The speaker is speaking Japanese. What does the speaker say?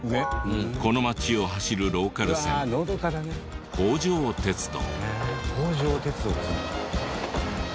この町を走るローカル線北条鉄道っつうんだ。